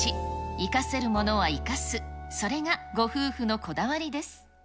生かせるものは生かす、それがご夫婦のこだわりです。